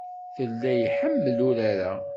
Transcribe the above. Tella iḥemmel urar-a.